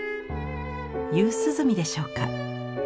夕涼みでしょうか。